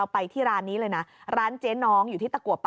พี่ได้รับการติดต่อ